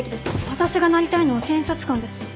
私がなりたいのは検察官です。